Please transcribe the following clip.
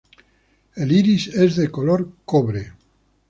El iris es de color cobre.